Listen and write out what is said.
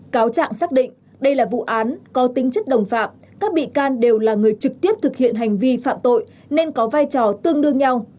cáo trạng xác định đây là vụ án có tính chất đồng phạm các bị can đều là người trực tiếp thực hiện hành vi phạm tội nên có vai trò tương đương nhau